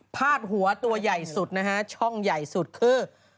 พาดหัวตัวใหญ่สุดนะฮะช่องใหญ่สุดคือ